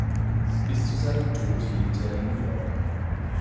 Bis zu seinem Tod lebte er in New York.